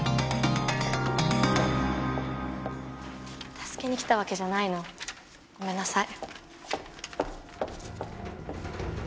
助けに来たわけじゃないの。ごめんなさい。